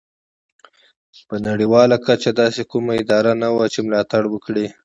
په نړیواله کچه داسې کومه اداره نه وه چې ملاتړ وکړي.